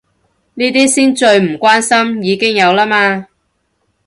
呢啲先最唔關心，已經有啦嘛